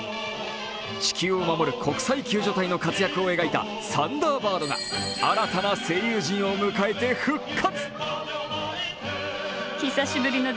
地球を守る国際救助隊の活躍を描いた「サンダーバード」が新たな声優陣を迎えて復活。